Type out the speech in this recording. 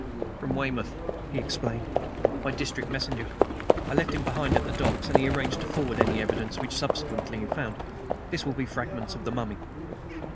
"From Weymouth," he explained, "by district messenger. I left him behind at the docks, and he arranged to forward any evidence which subsequently he found. This will be fragments of the mummy."